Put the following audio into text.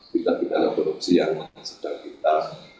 bidang bidang korupsi yang sedang kita